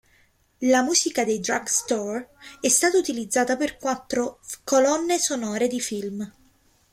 La musica dei Drugstore è stata utilizzata per quattro colonne sonore di film.